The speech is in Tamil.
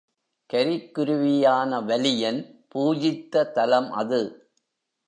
கரிக்குருவியான வலியன் பூஜித்த தலம் அது.